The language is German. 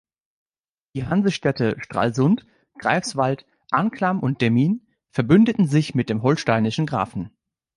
Die Hansestädte Stralsund, Greifswald, Anklam und Demmin verbündeten sich mit dem holsteinischen Grafen.